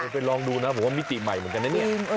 ไปลองดูนะผมว่ามิติใหม่เหมือนกันนะเนี่ย